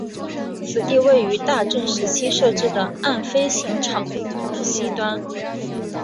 此地位于大正时期设置的岸飞行场西端。